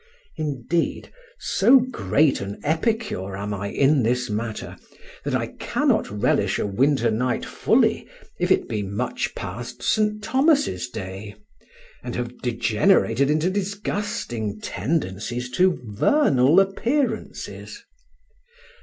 Indeed, so great an epicure am I in this matter that I cannot relish a winter night fully if it be much past St. Thomas's day, and have degenerated into disgusting tendencies to vernal appearances.